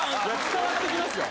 伝わってきますよ。